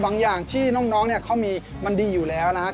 บางอย่างที่น้องเขามีมันดีอยู่แล้วนะครับ